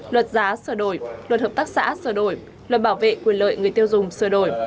luật giá sửa đổi luật hợp tác xã sửa đổi luật bảo vệ quyền lợi người tiêu dùng sửa đổi